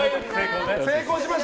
成功しました。